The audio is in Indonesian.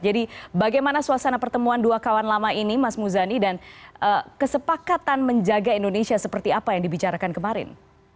jadi bagaimana suasana pertemuan dua kawan lama ini mas muzani dan kesepakatan menjaga indonesia seperti apa yang dibicarakan kemarin